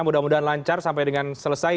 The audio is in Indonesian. mudah mudahan lancar sampai dengan selesai